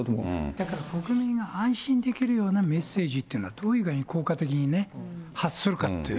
だから、国民が安心できるようなメッセージっていうのはどういう具合に効果的にね、発するかっていう。